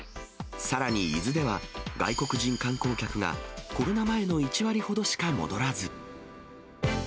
さらに、伊豆では、外国人観光客がコロナ前の１割ほどしか戻らず。